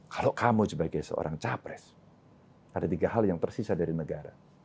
kalau kamu sebagai seorang capres ada tiga hal yang tersisa dari negara